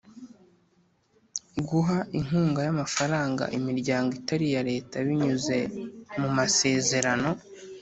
Guha inkunga y amafaranga imiryango itari iya Leta binyuze mu masezerano